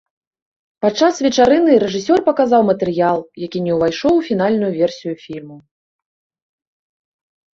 Падчас вечарыны рэжысёр паказаў матэрыял, які не ўвайшоў у фінальную версію фільму.